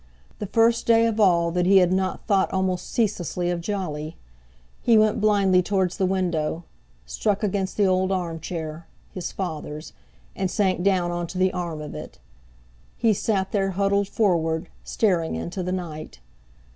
The first day of all that he had not thought almost ceaselessly of Jolly. He went blindly towards the window, struck against the old armchair—his father's—and sank down on to the arm of it. He sat there huddled forward, staring into the night.